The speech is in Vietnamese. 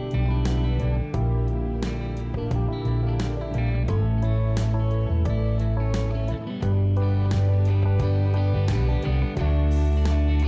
hẹn gặp lại